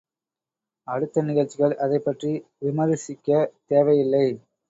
அடுத்த நிகழ்ச்சிகள் அதைப் பற்றி விமரிசிக்கத் தேவை இல்லை.